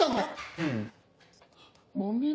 うん。